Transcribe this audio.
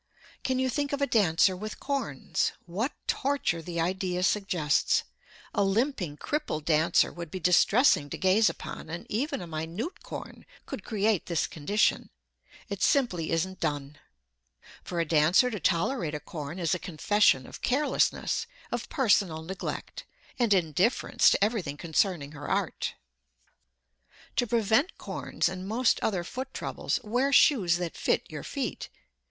Can you think of a dancer with corns? What torture the idea suggests! A limping, crippled dancer would be distressing to gaze upon, and even a minute corn could create this condition. It simply isn't done. For a dancer to tolerate a corn is a confession of carelessness, of personal neglect, and indifference to everything concerning her art. To prevent corns and most other foot troubles, wear shoes that fit your feet.